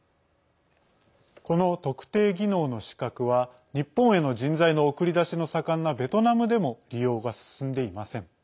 この特定技能の資格は日本への人材の送り出しの盛んなベトナムでも利用が進んでいません。